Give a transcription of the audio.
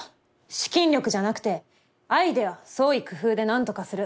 資金力じゃなくてアイデア創意工夫でなんとかする。